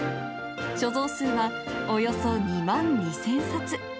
所蔵数はおよそ２万２０００冊。